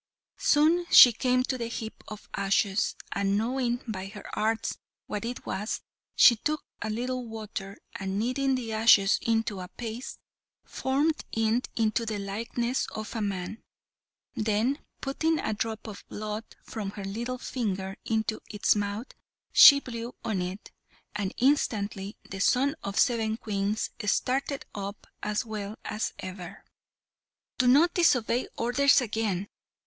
Soon she came to the heap of ashes, and knowing by her arts what it was, she took a little water, and kneading the ashes into a paste, formed it into the likeness of a man; then, putting a drop of blood from her little finger into its mouth, she blew on it, and instantly the son of seven Queens started up as well as ever. "Don't you disobey orders again!"